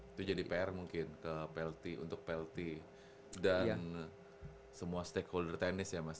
itu jadi pr mungkin ke plt untuk plt dan semua stakeholder tenis ya mas